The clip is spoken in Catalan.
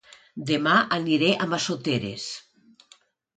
Dema aniré a Massoteres